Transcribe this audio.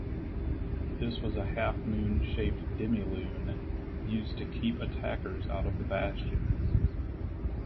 This was a half-moon shaped demi-lune, used to keep attackers out of the bastion.